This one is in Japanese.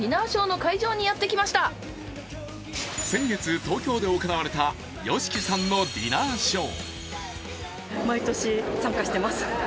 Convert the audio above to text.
先月東京で行われたＹＯＳＨＩＫＩさんのディナーショー。